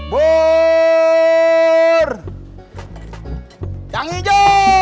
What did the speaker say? buuuur yang hijau